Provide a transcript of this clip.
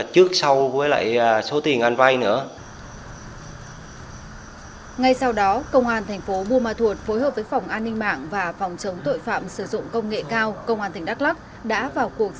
công an tp buôn ma thuật và phòng chống tội phạm sử dụng công nghệ cao